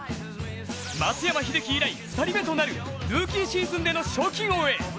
松山英樹以来２人目となるルーキーシーズンでの賞金王へ。